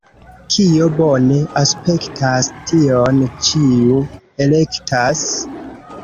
Kio bone aspektas, tion ĉiu elektas.